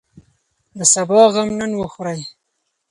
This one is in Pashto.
د سبا غم نن وخورئ.